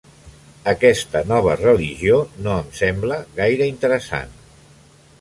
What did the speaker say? Aquesta nova religió no em sembla gaire interessant.